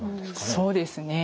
そうですね